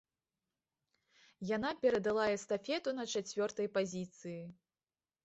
Яна перадала эстафету на чацвёртай пазіцыі.